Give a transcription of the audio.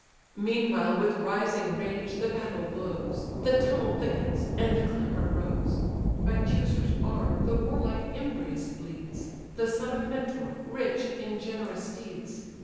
Meanwhile with rising rage the battle glows, The tumult thickens, and the clamour grows. By Teucer's arm the warlike Imbrius bleeds, The son of Mentor, rich in generous steeds.